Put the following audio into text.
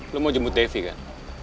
lo mau jemput devi kan